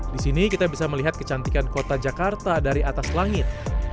di sini kita bisa melihat kecantikan kota jakarta dari atas langit